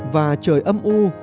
và trời âm u